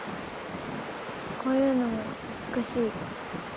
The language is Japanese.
こういうのも美しい。